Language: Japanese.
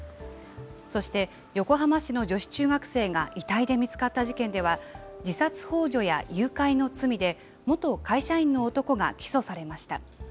そして、横浜市の女子中学生が遺体で見つかった事件では、自殺ほう助や誘拐の罪で元会社員の男が起訴されました。